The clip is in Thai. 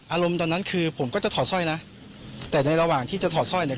อารมณ์ตอนนั้นคือผมก็จะถอดสร้อยนะแต่ในระหว่างที่จะถอดสร้อยเนี่ย